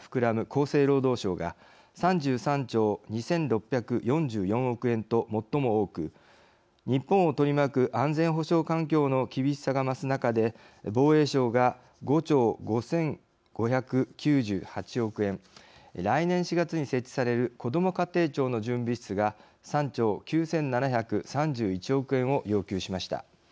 厚生労働省が３３兆２６４４億円と最も多く日本を取り巻く安全保障環境の厳しさが増す中で防衛省が５兆５５９８億円来年４月に設置されるこども家庭庁の準備室が３兆９７３１億円を要求しました。